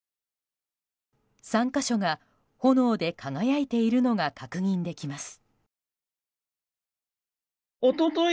３か所が炎で輝いているのが確認できます。